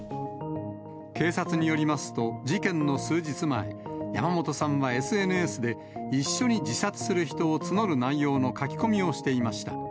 警察によりますと、事件の数日前、山本さんはＳＮＳで、一緒に自殺する人を募る内容の書き込みをしていました。